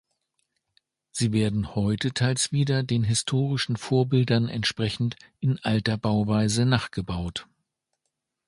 Sie werden heute teils wieder den historischen Vorbildern entsprechend in alter Bauweise nachgebaut.